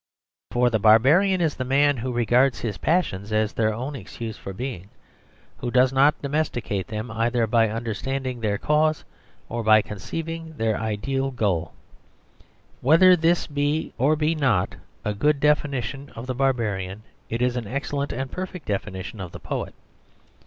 "For the barbarian is the man who regards his passions as their own excuse for being, who does not domesticate them either by understanding their cause, or by conceiving their ideal goal." Whether this be or be not a good definition of the barbarian, it is an excellent and perfect definition of the poet.